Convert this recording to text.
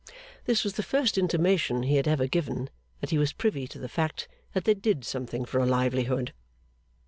This was the first intimation he had ever given, that he was privy to the fact that they did something for a livelihood.